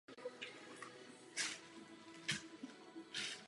Lhůtou pro nezávislost by bylo přistoupení Srbska k Evropské unii.